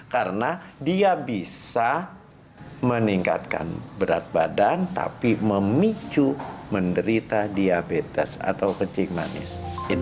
karena dia bisa meningkatkan berat badan tapi memicu menderita diabetes atau kecing manis